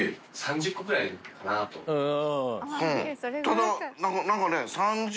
ただ何かね